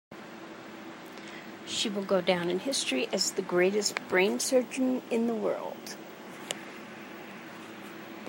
She will go down in history as the greatest brain surgeon in the world.